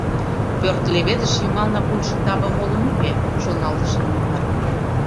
Пӧрт леведыш йымалнак улшо таве молын уке, шоналтыш Иллимар.